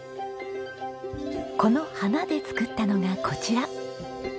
この花で作ったのがこちら。